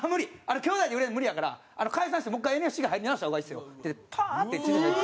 「兄弟で売れるの無理やから解散してもう１回、ＮＳＣから入り直した方がいいですよ」ってパーって自転車で行って。